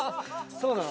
そうなの。